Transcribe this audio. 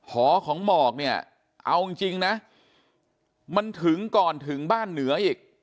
หอของหมอกเนี่ยเอาจริงนะมันถึงก่อนถึงบ้านเหนืออีก